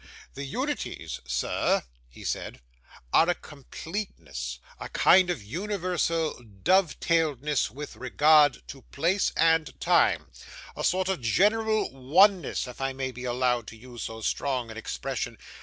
'The unities, sir,' he said, 'are a completeness a kind of universal dovetailedness with regard to place and time a sort of a general oneness, if I may be allowed to use so strong an expression.